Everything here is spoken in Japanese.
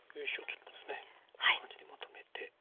こんな感じでまとめて。